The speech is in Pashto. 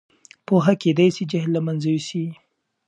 پوهه کېدای سي جهل له منځه یوسي.